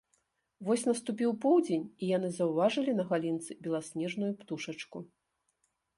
Вось наступіў поўдзень, і яны заўважылі на галінцы беласнежную птушачку